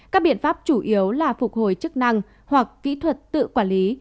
các biện pháp chủ yếu là phục hồi chức năng hoặc kỹ thuật tự quản lý